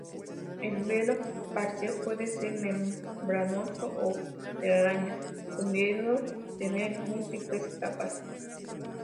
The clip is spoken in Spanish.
El velo parcial puede ser membranoso o telaraña, pudiendo tener múltiples capas.